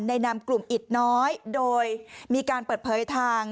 นำกลุ่มอิดน้อยโดยมีการเปิดเผยทาง